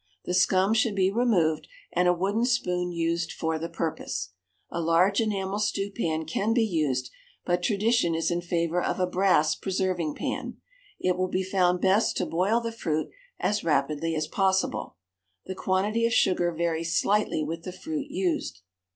The scum should be removed, and a wooden spoon used for the purpose. A large enamel stew pan can be used, but tradition is in favour of a brass preserving pan. It will be found best to boil the fruit as rapidly as possible. The quantity of sugar varies slightly with the fruit used.